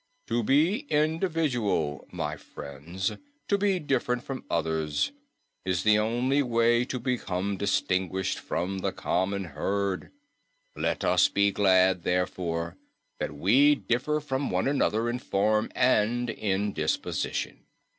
To be individual, my friends, to be different from others, is the only way to become distinguished from the common herd. Let us be glad, therefore, that we differ from one another in form and in disposition.